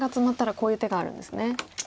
こういう手があるんですね。